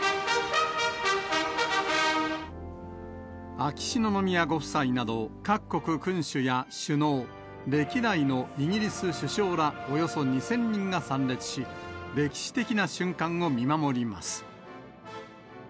秋篠宮ご夫妻など、各国君主や首脳、歴代のイギリス首相らおよそ２０００人が参列し、歴史的な瞬間を見守ります。